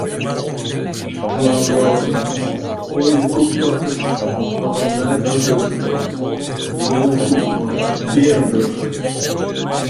Twa Ljouwerter oaljekoekbakkers hawwe in nij produkt betocht: in oaljekoek mei bearenburch.